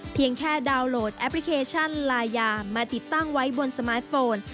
เพียงแค่ดาวน์โหลดแอปพลิเคชันลายามาติดตั้งไว้บนสมาร์ทโฟน